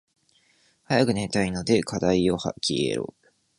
早く寝たいので課題よ消えろ。